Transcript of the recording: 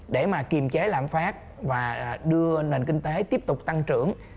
để mà kiềm chế lạm phát và đưa nền kinh tế tiếp tục tăng trưởng